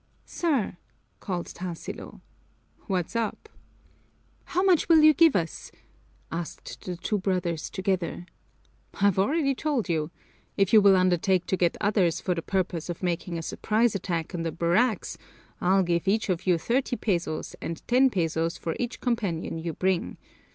"Sir!" called Tarsilo. "What's up?" "How much will you give us?" asked the two brothers together. "I've already told you. If you will undertake to get others for the purpose of making a surprise attack on the barracks, I'll give each of you thirty pesos and ten pesos for each companion you bring.